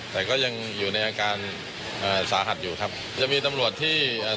แต่ก็ยังอยู่ในอาการอ่าสาหัสอยู่ครับยังมีตำรวจที่เอ่อ